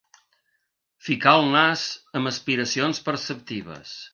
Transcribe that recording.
Ficar el nas amb aspiracions perceptives.